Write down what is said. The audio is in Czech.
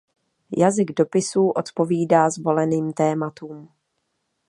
Jazyk dopisů odpovídá zvoleným tématům.